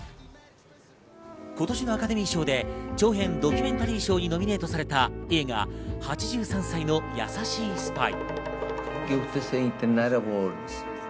今年のアカデミー賞で長編ドキュメンタリー賞にノミネートされた映画、『８３歳のやさしいスパイ』。